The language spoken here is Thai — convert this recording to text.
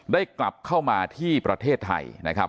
กลับเข้ามาที่ประเทศไทยนะครับ